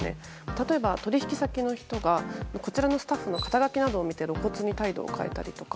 例えば取引先の人がこちらのスタッフの肩書などを見て露骨に態度を変えたりとか。